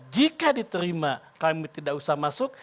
jika diterima kami tidak usah masuk